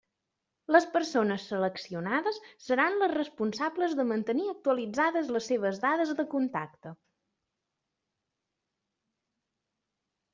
Les persones seleccionades seran les responsables de mantenir actualitzades les seves dades de contacte.